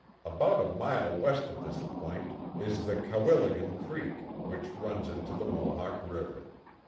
About a mile west of this point is the Cowilligan Creek, which runs into the Mohawk River.